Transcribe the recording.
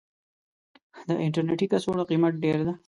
د انټرنيټي کڅوړو قيمت ډير ده.